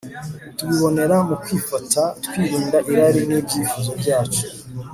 tubibonera mu kwifata twirinda irari n'ibyifuzo byacu